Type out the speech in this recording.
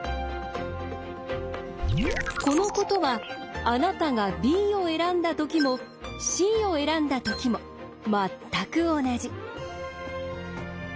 このことはあなたがＢを選んだときもＣを選んだときも全く同じ。